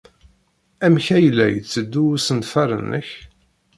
Amek ay la yetteddu usenfar-nnek?